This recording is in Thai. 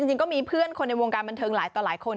จริงก็มีเพื่อนคนในวงการบันเทิงหลายต่อหลายคน